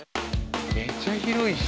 めっちゃ広いし。